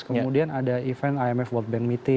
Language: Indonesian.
kemudian ada event imf world bank meeting